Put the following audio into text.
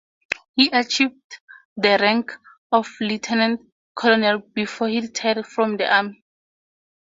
He achieved the rank of lieutenant colonel before he retired from the army.